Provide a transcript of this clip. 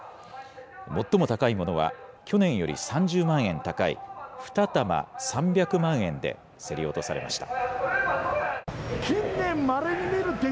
最も高いものは、去年より３０万円高い、２玉３００万円で競り落とされました。